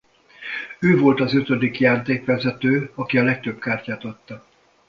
Ő volt az ötödik játékvezető aki a legtöbb kártyát adta.